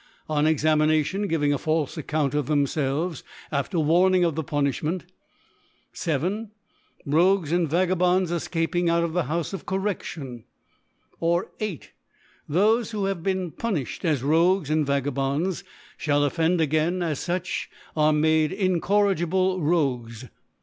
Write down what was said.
on Examina tion giving a falfc Account of themfelves after Warning of the Punifliment. 7. Rogues and Vagabonds efcaping out of the Houfe of Corredlion, fcfr. or, 8. thofe who hav ing been puniflied as Rogues and Vaga bonds, fhall offend again as fuch, are made incorrigible Rogyes.